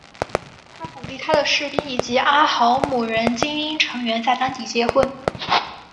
他鼓励他的士兵以及阿豪姆人精英成员在当地结婚。